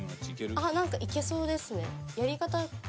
あなんかいけそうですね。